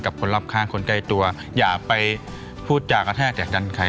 กับคนรอบข้างคนใกล้ตัวที่จะไปพูดจากอาท่าแต่ดันใคร